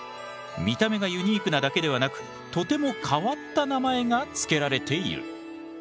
見た目がユニークなだけではなくとても変わった名前が付けられている。